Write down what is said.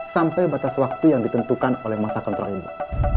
sampai batas waktu yang ditentukan oleh masa kontrak ibu